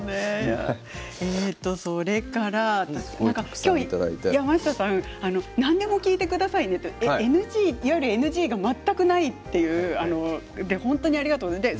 今日、山下さん何でも聞いてくださいねといわゆるＮＧが全くないということで、ありがとうございます。